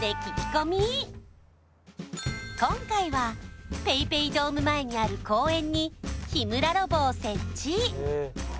今回はＰａｙＰａｙドーム前にある公園に日村ロボを設置